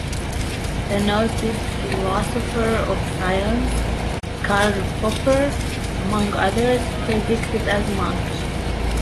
The noted philosopher of science, Karl Popper, among others, predicted as much.